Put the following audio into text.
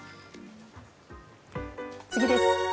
次です。